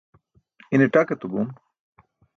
ine ṭak etu bom